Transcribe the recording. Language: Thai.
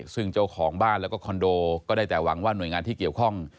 ซึ่งเจ้าของบ้านแล้วก็คอนโดก็ได้แต่หวังว่าหน่วยงานที่เกี่ยวข้อง